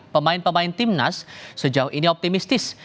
pemain pemain tim nas sejauh ini optimistis